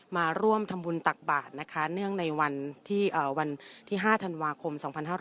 มาร่วมทำบุญตักบาทนะคะเนื่องในวันที่๕ธันวาคม๒๕๖๐